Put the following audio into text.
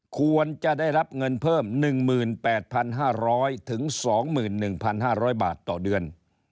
ควรจะได้รับเงินเพิ่ม๑๘๕๐๐๒๑๕๐๐บาทต่อเดือน